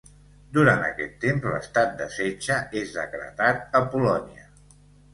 Durant aquest temps, l'estat de setge és decretat a Polònia.